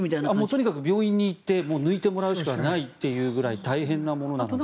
とにかく病院に行って抜いてもらうしかない大変なものなので。